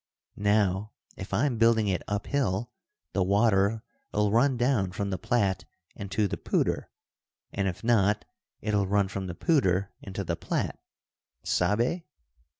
Now, if I'm building it up hill the water'll run down from the Platte into the Poudre, and if not it'll run from the Poudre into the Platte. Sabe?"